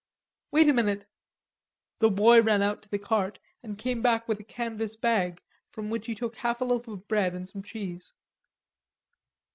"Wait a minute." The boy ran out to the cart and came back with a canvas bag, from which he took half a loaf of bread and some cheese.